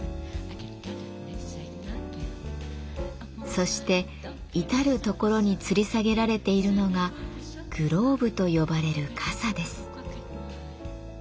そして至る所につり下げられているのがグローブと呼ばれるかさです。